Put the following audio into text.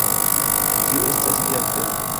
Tio estas via afero!